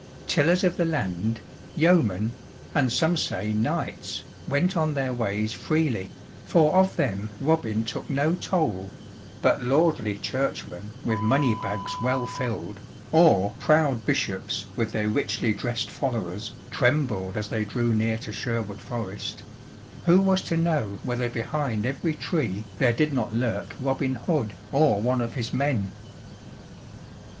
Tillers of the land, yeomen, and some say knights, went on their ways freely, for of them Robin took no toll; but lordly churchmen with money bags well filled, or proud bishops with their richly dressed followers, trembled as they drew near to Sherwood Forest who was to know whether behind every tree there did not lurk Robin Hood or one of his men?